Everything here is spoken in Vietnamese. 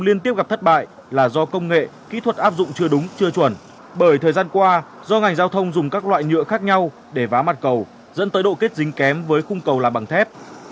liên tiếp gặp thất bại là do công nghệ kỹ thuật áp dụng chưa đúng chưa chuẩn bởi thời gian qua do ngành giao thông dùng các loại nhựa khác nhau để vá mặt cầu dẫn tới độ kết dính kém với khung cầu là bằng thép